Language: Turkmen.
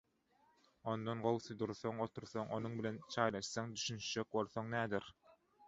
Ondan gowsy dursaň, otursaň, onuň bilen çaýlaşsaň, düşünişjek bolsaň näder?!